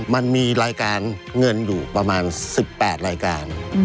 มันมีรายการเงินอยู่ประมาณ๑๘รายการ